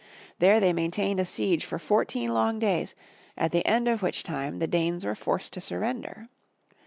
There they maintained a siege for fourteen long days, at the end of which time, the Danes were forced to surrender.